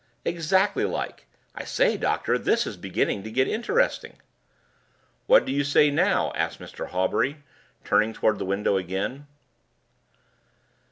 "Exactly like! I say, doctor, this is beginning to get interesting!" "What do you say now?" asked Mr. Hawbury, turning toward the window again.